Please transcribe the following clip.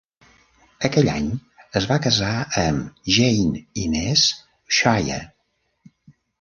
Aquell any es va casar amb Jane Inez Scheyer.